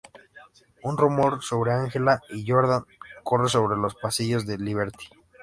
Un rumor sobre Ángela y Jordan corre por los pasillos de Liberty.